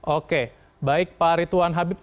oke baik pak rituan habib